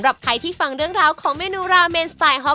ขอบคุณทั้ง๒ท่านมากนะครับผมขอบคุณค่ะ